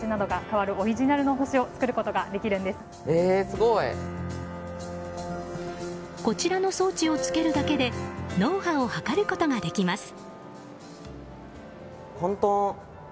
すごい！こちらの装置をつけるだけで脳波を測ることができます。